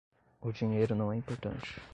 O dinheiro não é importante.